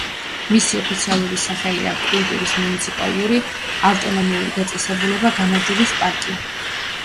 მისი ოფიციალური სახელია კულტურის მუნიციპალური ავტონომიური დაწესებულება „გამარჯვების პარკი“.